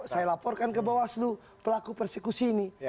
saya laporkan ke bawah seluruh pelaku persekusi ini